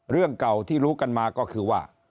เรื่องเก่าที่รู้กันมาก็คือว่า